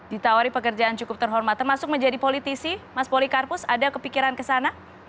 ditawari pekerjaan cukup terhormat termasuk menjadi politisi mas polikarpus ada kepikiran kesana